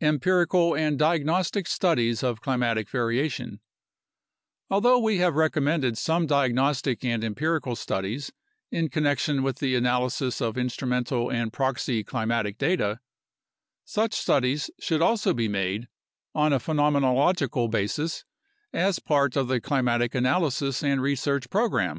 Empirical and Diagnostic Studies of Climatic Variation Although we have recommended some diagnostic and empirical studies in connection with the analysis of instrumental and proxy climatic data, such studies should also be made on a phenomenological basis as part of the climatic analysis and research program.